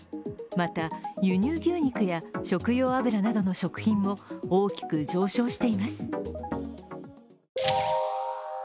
また、輸入牛肉や食用油などの食品も大きく上昇しています。